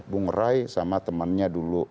bung rai sama temannya dulu